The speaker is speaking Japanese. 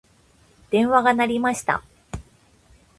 電話が鳴りました。